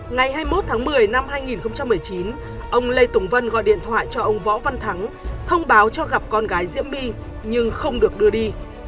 ngày hai mươi một tháng một mươi năm hai nghìn một mươi chín ông lê tùng vân gọi điện thoại cho ông võ văn thắng thông báo cho gặp con gái diễm bi nhưng không được đưa đi